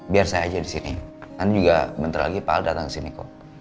biar saya aja di sini nanti juga bentar lagi pak al datang ke sini kok